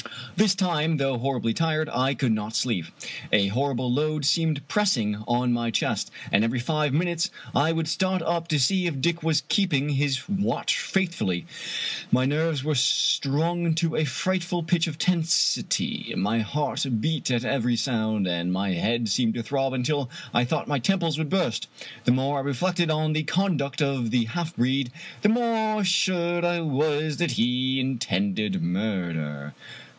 This time, though horribly tired, I could not sleep. A horrible load seemed pressing on my chest, and every five minutes I would start up to see if Dick was keeping his watch faithfully. My nerves were strung to a frightful pitch of tensity, my heart beat at every sound, and my head seemed to throb until I thought my temples would burst. The more I reflected on the conduct of the half breed, the more assured I was that he intended murder.